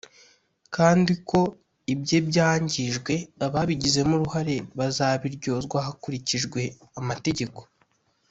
kandi ko ibye byangijwe ababigizemo uruhare bazabiryozwa hakurikijwe amategeko